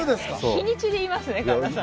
日にちで言いますね神田さん。